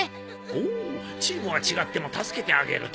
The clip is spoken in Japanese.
ほうチームは違っても助けてあげると。